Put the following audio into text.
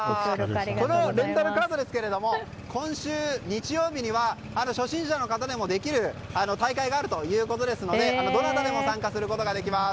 このようなレンタルカートですが今週日曜日には初心者の方でもできる大会があるということですのでどなたでも参加することができます。